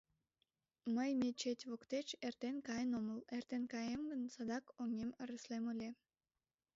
Мый мечеть воктеч эртен каен омыл, эртен каем гын, садак оҥем ыреслем ыле.